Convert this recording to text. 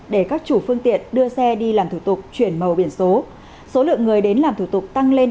để các chủ phương tiện đưa xe đi làm thủ tục chuyển màu biển số số lượng người đến làm thủ tục tăng lên